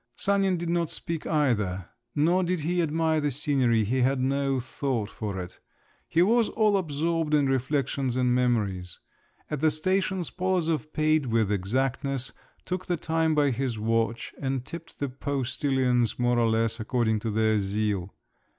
Sanin did not speak either, nor did he admire the scenery; he had no thought for it. He was all absorbed in reflections and memories. At the stations Polozov paid with exactness, took the time by his watch, and tipped the postillions—more or less—according to their zeal.